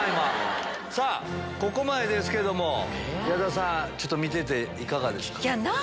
ここまでですけども矢田さん見てていかがですか？